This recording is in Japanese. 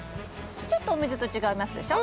ちょっとお水と違いますでしょ？